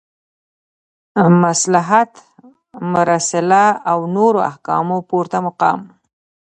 مصلحت مرسله او نورو احکامو پورته مقام